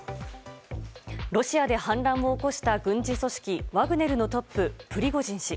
ロシアで反乱を起こした軍事組織ワグネルのトッププリゴジン氏。